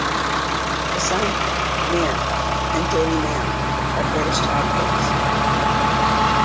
The Sun, Mirror and Daily Mail are British tabloids.